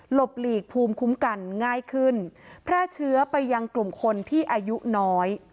บหลีกภูมิคุ้มกันง่ายขึ้นแพร่เชื้อไปยังกลุ่มคนที่อายุน้อย